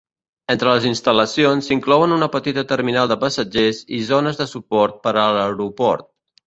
Entre les instal·lacions s'inclouen una petita terminal de passatgers i zones de suport per a l'aeroport.